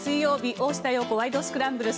「大下容子ワイド！スクランブル」。